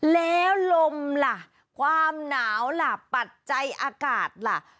แล้วลมล่ะความหนาวล่ะปัจจัยอากาศล่ะ